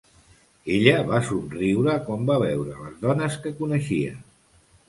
Ella va somriure quan va veure a les dones que coneixia.